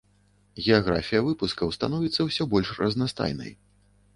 Геаграфія выпускаў становіцца ўсё больш разнастайнай.